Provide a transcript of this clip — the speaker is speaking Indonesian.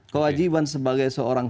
kewajiban sebagai seorang